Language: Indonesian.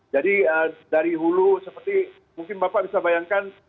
jadi dari hulu seperti mungkin bapak bisa bayangkan